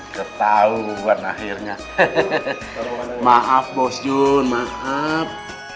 ketauan akhirnya hehehe maaf bos jun maaf